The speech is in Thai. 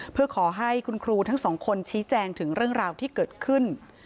เพื่อขอให้คุณครูทั้งสองคนชี้แจงถึงเรื่องราวที่เกิดขึ้น